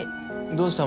どうした？